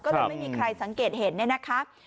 ก็เลยไม่มีใครสังเกตเห็นเนี่ยนะคะ